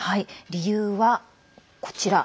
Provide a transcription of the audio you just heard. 理由は、こちら。